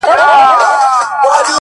• انعامونه درکومه په سل ګوني,